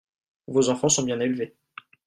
Vos enfants sont bien élevés.